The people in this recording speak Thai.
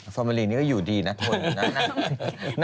ซอมมะลีนี่ก็อยู่ดีนะทนนะ